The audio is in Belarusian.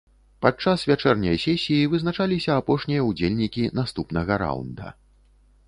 Падчас вячэрняй сесіі вызначаліся апошнія ўдзельнікі наступнага раўнда.